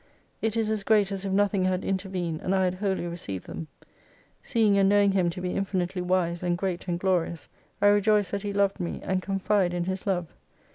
It is as great as if nothing had intervened, and I had wholly received them. Seeing and knowing Him to be infinitely wise and great and glorious, I rejoice that He loved me, and confide in His love.